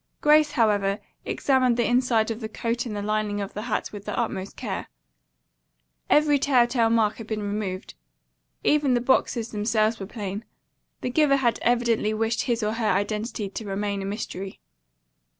Grace, however, examined the inside of the coat and the lining of the hat with the utmost care. Every telltale mark had been removed. Even the boxes themselves were plain. The giver had evidently wished his or her identity to remain a mystery.